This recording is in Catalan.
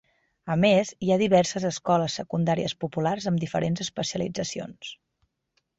A més, hi ha diverses escoles secundàries populars amb diferents especialitzacions.